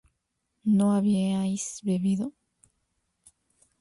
¿no habíais bebido?